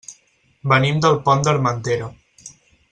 Venim del Pont d'Armentera.